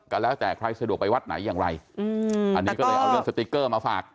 ก็แล้วแต่ใครสะดวกไปวัดไหนอย่างไรอืมอันนี้ก็เลยเอาเรื่องสติ๊กเกอร์มาฝาก